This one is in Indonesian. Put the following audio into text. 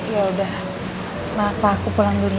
yaudah maaf pak aku pulang dulu ya